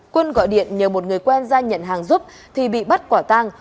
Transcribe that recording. quân gọi điện nhờ một người quen ra nhận hàng giúp thì bị bắt quả tang